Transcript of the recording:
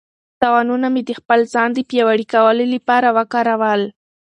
تاوانونه مې د خپل ځان د پیاوړي کولو لپاره وکارول.